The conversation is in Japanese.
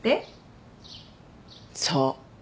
そう。